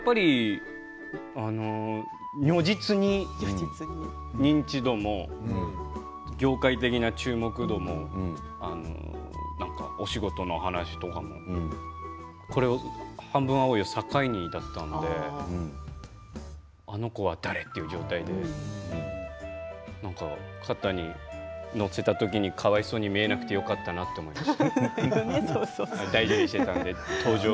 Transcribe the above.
如実に認知度も業界的な注目度もお仕事の話も「半分、青い。」を境にだったのであの子は誰？という状態でかわいそうに見えなくてよかったなと思っています。